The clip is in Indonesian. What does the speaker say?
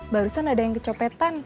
barusan ada yang kecopetan